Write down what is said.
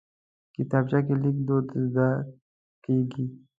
کتابچه کې لیک دود زده کېږي